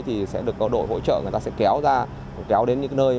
thì sẽ được hỗ trợ người ta sẽ kéo ra kéo đến những nơi